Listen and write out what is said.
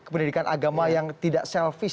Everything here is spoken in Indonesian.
pendidikan agama yang tidak selfis